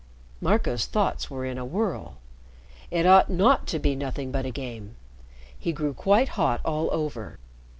Marco's thoughts were in a whirl. It ought not to be nothing but a game. He grew quite hot all over.